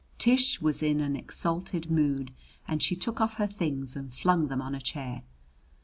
Tish was in an exalted mood and she took off her things and flung them on a chair.